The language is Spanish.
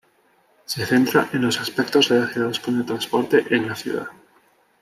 Se centra en los aspectos relacionados con el transporte en la ciudad.